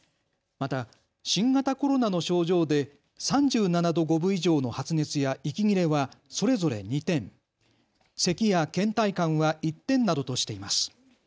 また新型コロナの症状で３７度５分以上の発熱や息切れはそれぞれ２点、せきや倦怠感は１点などとしています。